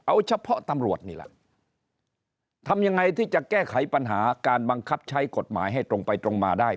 เอาเฉพาะตำรวจนี่แหละทำยังไงที่จะแก้ไขปัญหาการบังคับใช้กฎหมายให้ตรงไปตรงมาได้